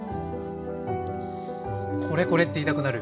「これこれ！」って言いたくなる。